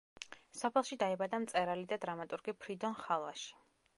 სოფელში დაიბადა მწერალი და დრამატურგი ფრიდონ ხალვაში.